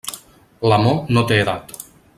L'amor no té edat.